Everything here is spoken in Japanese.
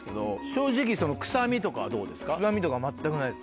正直臭みとかはどうですか？